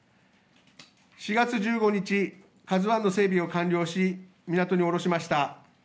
４月１５日、カズワンの整備を完了し、港に下ろしました。